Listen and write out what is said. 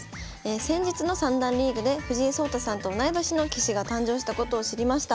「先日の三段リーグで藤井聡太さんと同い年の棋士が誕生したことを知りました。